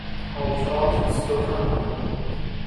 Hauptort ist Locarno.